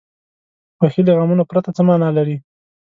خوښي له غمونو پرته څه معنا لري.